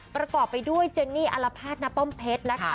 ประกอบไปด้วยเจนนี่อารภาษณป้อมเพชรนะคะ